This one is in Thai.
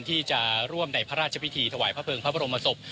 ที่จะร่วมในพระราชพิธีถวายพระเภิงพระบรมศพ